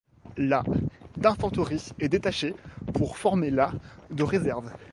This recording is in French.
La d'infanterie est détachée pour former la de réserve.